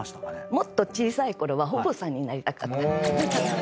もっと小さいころは保母さんになりたかった。